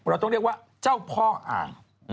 เราต้องเรียกว่าเจ้าพ่ออ่าง